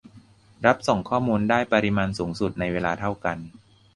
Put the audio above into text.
รับส่งข้อมูลได้ปริมาณสูงสุดในเวลาเท่ากัน